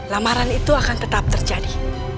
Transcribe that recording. lamaran itu akan tetap terjadi